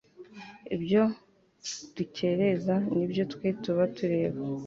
ibyo dukereza ni byo twe tuba tureba